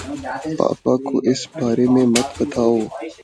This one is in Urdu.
پاپا کو اِس بارے میں مت بتاؤ